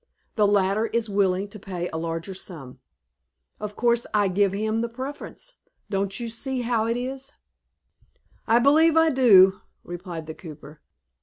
The latter is willing to pay a larger sum. Of course I give him the preference. Don't you see how it is?" "I believe I do," replied the cooper.